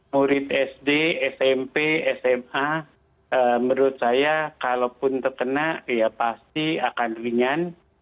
murid sd smp sma menurut saya kalaupun terkena ya pasti akan ringan